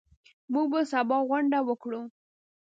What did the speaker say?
موږ به سبا غونډه وکړو.